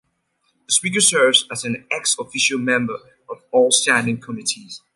The Speaker serves as an ex-officio member of all standing committees.